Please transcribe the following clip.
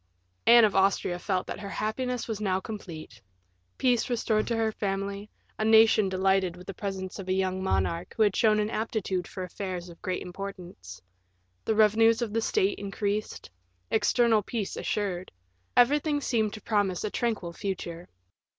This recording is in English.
Anne of Austria felt that her happiness was now complete; peace restored to her family, a nation delighted with the presence of a young monarch who had shown an aptitude for affairs of great importance; the revenues of the state increased; external peace assured; everything seemed to promise a tranquil future.